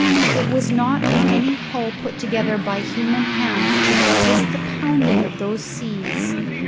It was not in any hull put together by human hands to resist the pounding of those seas.